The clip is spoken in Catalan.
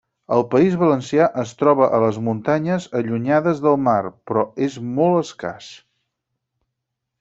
Al País Valencià es troba a les muntanyes allunyades del mar, però és molt escàs.